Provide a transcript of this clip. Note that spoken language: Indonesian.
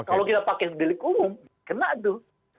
kalau kita pakai delik umum kena tuh